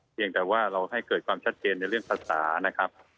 เพียงแต่ว่าเราให้เกิดความชัดเจนในเรื่องภาษานะครับ